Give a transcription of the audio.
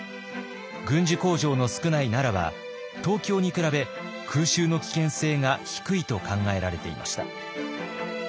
軍需工場の少ない奈良は東京に比べ空襲の危険性が低いと考えられていました。